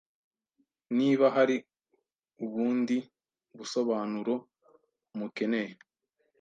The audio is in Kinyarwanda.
Niba hari ubundi busobanuro mukeneye,